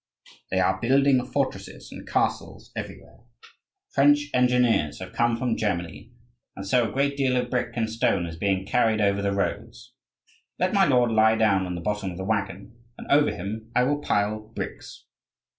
They are building fortresses and castles everywhere: French engineers have come from Germany, and so a great deal of brick and stone is being carried over the roads. Let my lord lie down in the bottom of the waggon, and over him I will pile bricks.